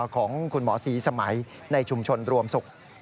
ของคุณหมอศรีสมัยในชุมชนรวมศุกร์